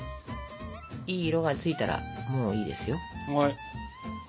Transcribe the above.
いい色がついたらもういいですよ。